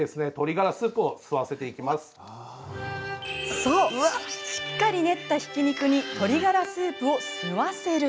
そう、しっかり練ったひき肉に鶏ガラスープを吸わせる。